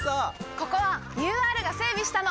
ここはＵＲが整備したの！